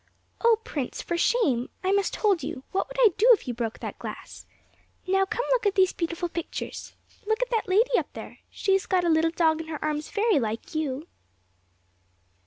'Oh, Prince, for shame! I must hold you; what would I do if you broke that glass? Now come and look at these beautiful pictures. Look at that lady up there; she has got a little dog in her arms very like you.'